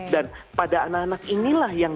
dan pada anak anak inilah yang